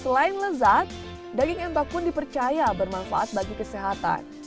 selain lezat daging embak pun dipercaya bermanfaat bagi kesehatan